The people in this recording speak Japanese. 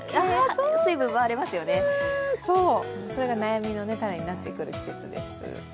そう、それが悩みの種になる季節です。